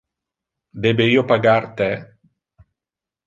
Debe io pagar te?